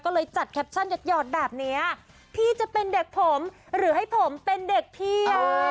ก็เลยจัดแคปชั่นหยอดแบบเนี้ยพี่จะเป็นเด็กผมหรือให้ผมเป็นเด็กเที่ยว